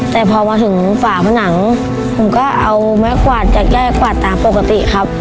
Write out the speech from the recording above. แต่พอมาถึงฝาผนังผมก็เอาไม้กวาดจากแยกกวาดตามปกติครับ